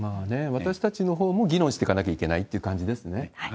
私たちのほうも議論してかなきゃいけないって感じですね。